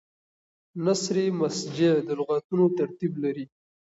نثر مسجع د لغتونو ترتیب لري.